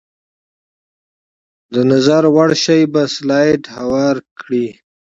د نظر وړ شی په سلایډ هوار کړئ.